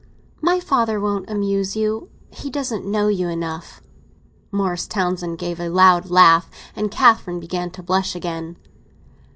"My father won't abuse you. He doesn't know you enough." Morris Townsend gave a loud laugh, and Catherine began to blush again.